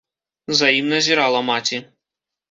За ім назірала маці.